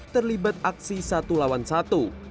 terlibat aksi satu lawan satu